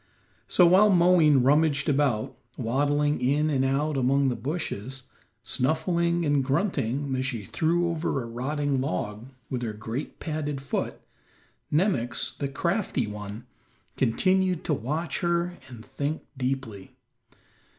So while Moween rummaged about, waddling in and out among the bushes, snuffing and grunting as she threw over a rotting log with her great, padded foot, Nemox, the crafty one, continued to watch her and think deeply.